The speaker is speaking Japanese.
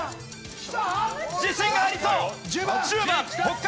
自信がありそう！